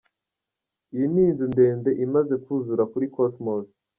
Iyi ni inzu ndende imaze kuzura kuri Cosmos.